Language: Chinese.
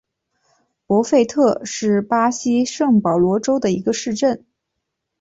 博费特是巴西圣保罗州的一个市镇。